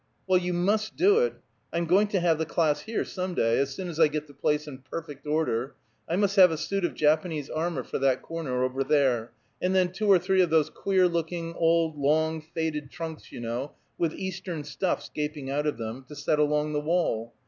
"Well, you must do it. I'm going to have the class here, some day, as soon as I get the place in perfect order. I must have a suit of Japanese armor for that corner, over there; and then two or three of those queer looking, old, long, faded trunks, you know, with eastern stuffs gaping out of them, to set along the wall.